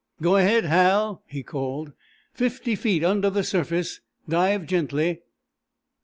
"Go ahead, Hal!" he called. "Fifty feet under the surface. Dive gently."